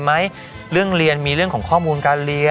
แฟนคลับของผมเนี้ยเป็นแฟนคลับผู้ใหญ่ที่